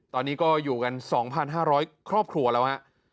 ตอนนี้ก็อยู่กัน๒๕๐๐ครอบครัวแล้วฮะ